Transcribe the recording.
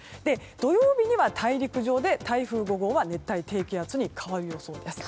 土曜日には大陸上で台風５号は熱帯低気圧に変わる予想です。